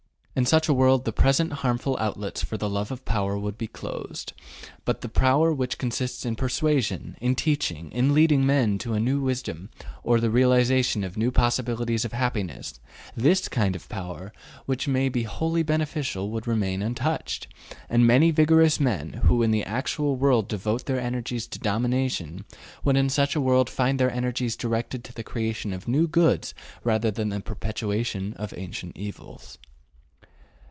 In such a world the present harmful outlets for the love of power would be closed. But the power which consists in persuasion, in teaching, in leading men to a new wisdom or the realization of new possibilities of happiness this kind of power, which may be wholly beneficial, would remain untouched, and many vigorous men, who in the actual world devote their energies to domination, would in such a world find their energies directed to the creation of new goods rather than the perpetuation of ancient evils.